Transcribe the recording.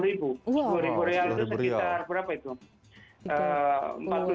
sepuluh ribu rial itu sekitar berapa itu